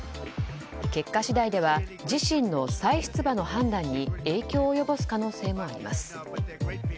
結果次第では自身の再出馬の判断に影響を及ぼす可能性もあります。